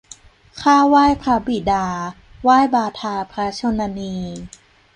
ข้าไหว้พระบิดา ไหว้บาทาพระชนนี